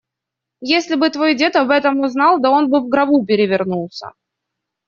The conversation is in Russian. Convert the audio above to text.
Если бы твой дед об этом узнал! Да он бы в гробу перевернулся!